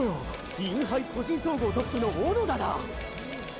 インハイ個人総合トップの小野田だ！